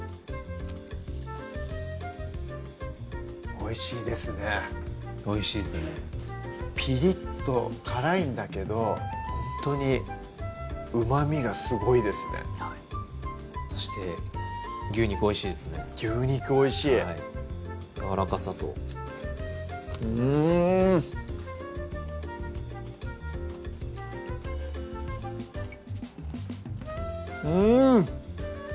おいしいですねおいしいですねピリッと辛いんだけどほんとにうまみがすごいですねそして牛肉おいしいですね牛肉おいしいやわらかさとうんうん！